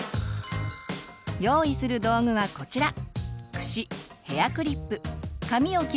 用意する道具はこちら。